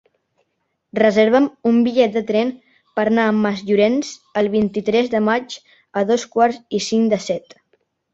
Reserva'm un bitllet de tren per anar a Masllorenç el vint-i-tres de maig a dos quarts i cinc de set.